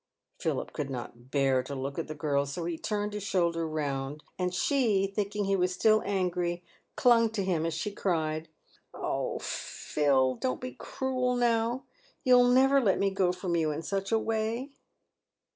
Philip could not bear to look at the girl, so he turned his shoulder round, and she, thinking he was still angry, clung to him as she cried, " Oh, Phil, don't be cruel now ! you'll never let me go from you in such a way."